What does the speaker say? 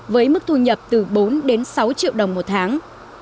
với mức thu nhập từ bốn đến sáu triệu đồng một tháng